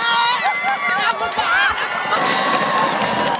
ข้าม